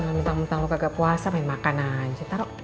jangan minta minta lo kagak puasa main makan aja taro